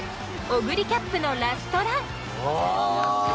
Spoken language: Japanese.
オグリキャップのラストラン！